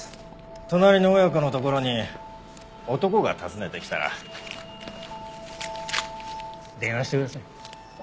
隣の親子のところに男が訪ねてきたら電話してください。